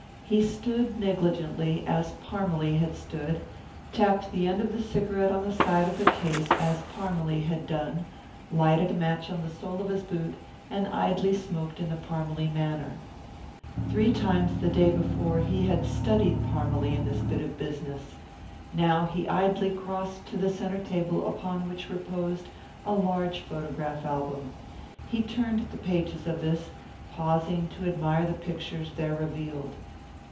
He stood negligently, as Parmalee had stood, tapped the end of the cigarette on the side of the case, as Parmalee had done, lighted a match on the sole of his boot, and idly smoked in the Parmalee manner. Three times the day before he had studied Parmalee in this bit of business. Now he idly crossed to the centre table upon which reposed a large photograph album. He turned the pages of this, pausing to admire the pictures there revealed.